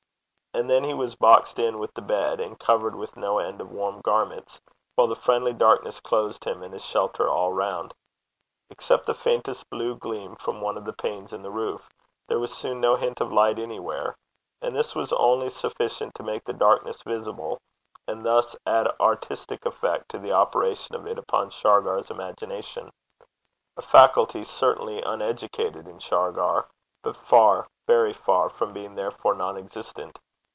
And then he was boxed in with the bed, and covered with no end of warm garments, while the friendly darkness closed him and his shelter all round. Except the faintest blue gleam from one of the panes in the roof, there was soon no hint of light anywhere; and this was only sufficient to make the darkness visible, and thus add artistic effect to the operation of it upon Shargar's imagination a faculty certainly uneducated in Shargar, but far, very far from being therefore non existent.